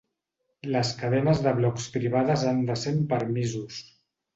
Les cadenes de blocs privades han de ser amb permisos.